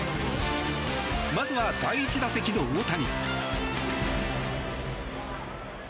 まずは第１打席の大谷。